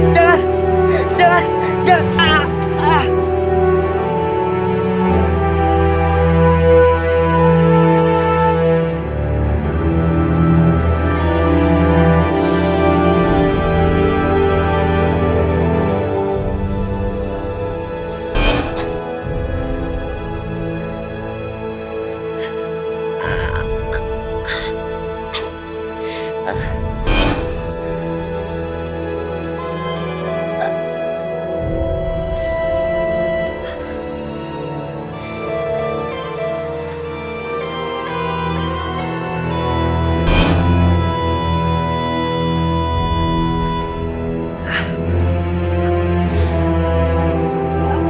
jangan jangan jangan